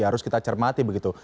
harus kita cermati begitu